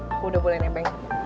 aku udah boleh nebeng